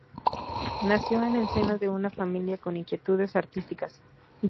Nació en el seno de una familia con inquietudes artísticas.